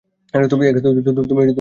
তুমি ফেসবুক ব্যবহার করো?